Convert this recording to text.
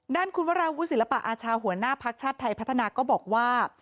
ด้านคุณวราวุศิลปะอาชาหัวหน้าภักดิ์ชาติไทยพัฒนาก็บอกว่า